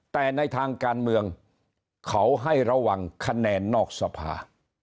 แต่ในทางการเมืองเขาให้ระวังคะแนนนอกสภา